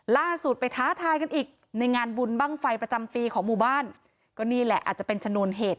ล่าสุดไปท้าทายกันอีกในงานบุญบ้างไฟประจำปีของหมู่บ้านก็นี่แหละอาจจะเป็นชนวนเหตุ